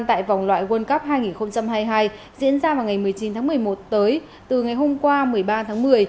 tại vòng loại world cup hai nghìn hai mươi hai diễn ra vào ngày một mươi chín tháng một mươi một tới từ ngày hôm qua một mươi ba tháng một mươi